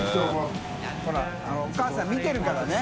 曚お母さん見てるからね。